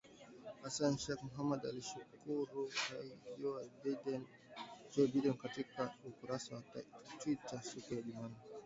Hassan Sheikh Mohamud alimshukuru Rais Joe Biden katika ukurasa wa Twita siku ya Jumanne